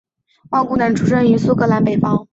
万姑娘出生于苏格兰北方。